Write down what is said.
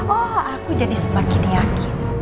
oh aku jadi sempat kini yakin